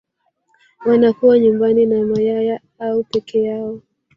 wanakuwa nyumbani na mayaya au peke yao